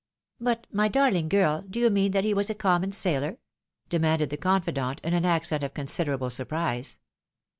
" But my darling girl, do you mean that he was a common EaUor ?" demanded the confidant, in an accent of considerable surprise.